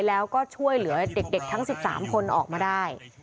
แล้วก็ช่วยเหลือเด็กทั้ง๑๓คนออกมาได้